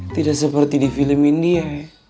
tidak seperti di film india